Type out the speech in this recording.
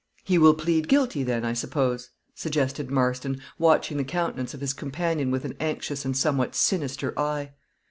"He will plead guilty, then, I suppose?" suggested Marston, watching the countenance of his companion with an anxious and somewhat sinister eye.